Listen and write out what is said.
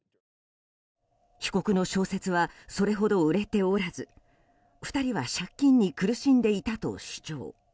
被告の小説はそれほど売れておらず２人は借金に苦しんでいたと主張。